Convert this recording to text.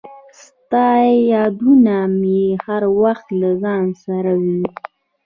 • ستا یادونه مې هر وخت له ځان سره وي.